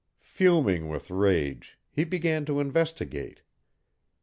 Fuming with rage, he began to investigate.